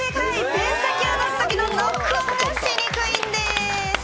ペン先を出すときのノック音がしにくいんです。